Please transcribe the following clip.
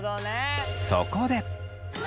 そこで。